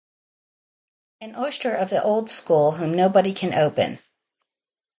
An oyster of the old school whom nobody can open.